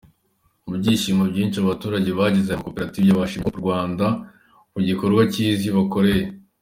Mu byishimo byinshi, abaturage bagize aya makoperative bashimiye Coop- Rwanda ku gikorwa cyiza ibakoreye.